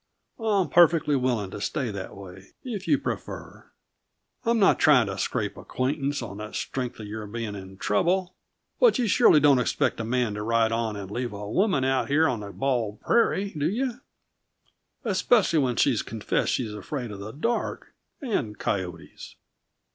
I'm perfectly willing to stay that way, if you prefer. I'm not trying to scrape acquaintance on the strength of your being in trouble; but you surely don't expect a man to ride on and leave a woman out here on the bald prairie do you? Especially when she's confessed she's afraid of the dark and coyotes!"